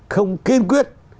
không kiên quyết